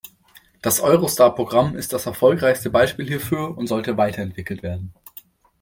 Das Eurostar-Programm ist das erfolgreichste Beispiel hierfür und sollte weiterentwickelt werden.